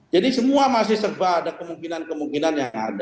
jadi semua masih serba ada kemungkinan kemungkinan